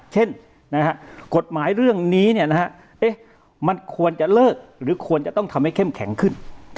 เช่นกฎหมายเรื่องนี้มันควรจะเลิกหรือควรจะต้องทำให้เข้มแข็งขึ้น